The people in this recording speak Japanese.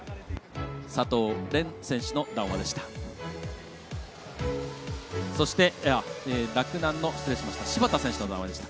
佐藤蓮選手の談話でした。